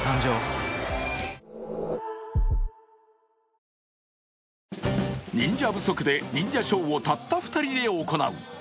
受付から照明、忍者不足で忍者ショーをたった２人で行う。